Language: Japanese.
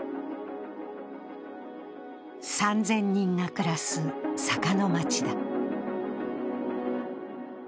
３０００人が暮らす坂の町だ。